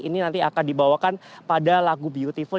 ini nanti akan dibawakan pada lagu beautiful